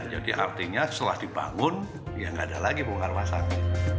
jadi artinya setelah dibangun ya nggak ada lagi bongkar pasang